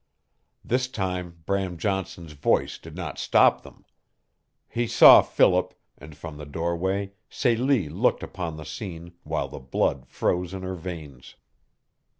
This time Bram Johnson's voice did not stop them. He saw Philip, and from the doorway Celie looked upon the scene while the blood froze in her veins.